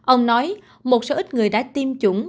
ông nói một số ít người đã tiêm chủng